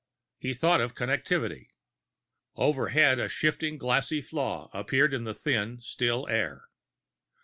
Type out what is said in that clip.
He thought of Connectivity. (Overhead, a shifting glassy flaw appeared in the thin, still air.)